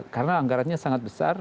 karena anggarannya sangat besar